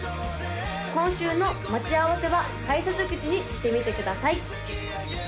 今週の待ち合わせは改札口にしてみてください